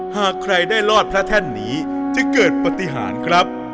หากใครได้รอดพระแท่นนี้จะเกิดปฏิหารครับ